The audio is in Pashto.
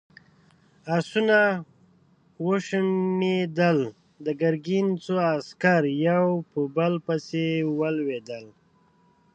آسونه وشڼېدل، د ګرګين څو عسکر يو په بل پسې ولوېدل.